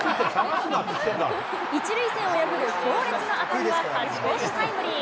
１塁線を破る強烈な当たりは勝ち越しタイムリー。